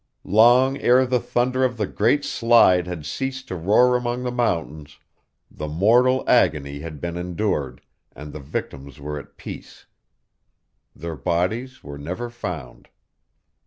Long ere the thunder of the great Slide had ceased to roar among the mountains, the mortal agony had been endured, and the victims were at peace. Their bodies were never found.